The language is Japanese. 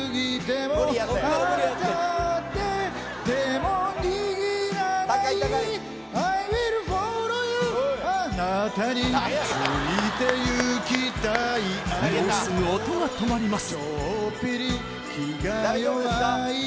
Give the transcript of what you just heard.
もうすぐ音が止まります